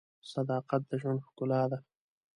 صداقت د ژوند ښکلا ده.